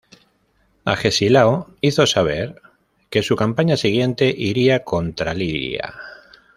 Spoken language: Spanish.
Agesilao hizo saber que su campaña siguiente iría contra Lidia.